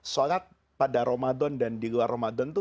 sholat pada ramadan dan di luar ramadan itu